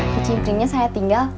kecil printnya saya tinggal